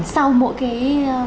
sau mỗi cái